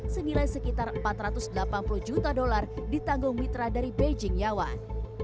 senilai sekitar empat ratus delapan puluh juta dolar ditanggung mitra dari beijing yawan